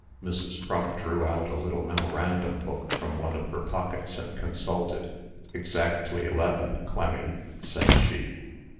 Mrs. Frump drew out a little memorandum book from one of her pockets, and consulted. "Exactly eleven, Clemmy," said she.